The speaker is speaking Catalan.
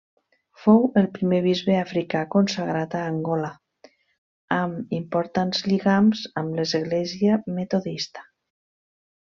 Fou el primer bisbe africà consagrat a Angola, amb importants lligams amb l'Església Metodista.